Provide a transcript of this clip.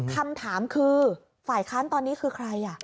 คำถามคือฝ่ายค้านตอนนี้คือใคร